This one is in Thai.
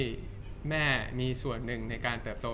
จากความไม่เข้าจันทร์ของผู้ใหญ่ของพ่อกับแม่